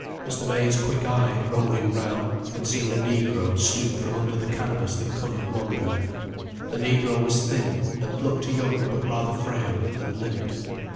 Mr. May's quick eye, roving round, had seen a negro stoop from under the canvas that covered one booth. The negro was thin, and looked young but rather frail, and limped.